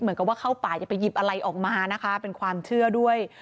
เหมือนกับว่าเข้าป่าอย่าไปหยิบอะไรออกมานะคะเป็นความเชื่อด้วย